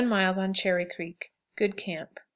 On Cherry Creek. Good camp.